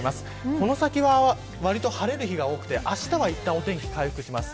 この先は、わりと晴れる日が多くて、あしたはいったんお天気回復します。